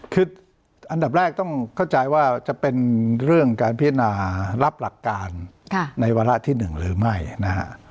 คืออันดับแรกต้องเข้าใจว่าจะเป็นเรื่องการพิจารณารับหลักการในวาระที่๑หรือไม่นะฮะ